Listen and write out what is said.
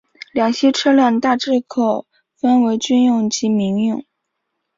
两栖车辆大致上可分为军用及民用。